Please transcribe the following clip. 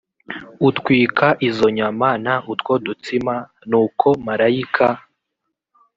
utwika izo nyama n utwo dutsima nuko marayika